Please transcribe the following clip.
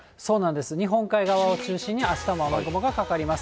日本海側を中心にあしたも雨雲がかかります。